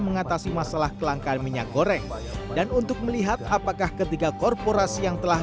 mengatasi masalah kelangkaan minyak goreng dan untuk melihat apakah ketiga korporasi yang telah